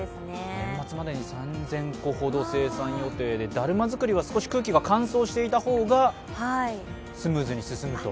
年末までに３０００個ほど制作予定で、だるま作りは少し空気が乾燥していた方がスムーズに進むと。